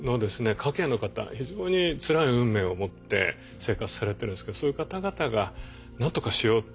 家系の方非常につらい運命を持って生活されてるんですけどそういう方々がなんとかしようということで協力して下さる。